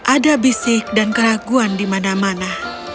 ada bisik dan keraguan di mana mana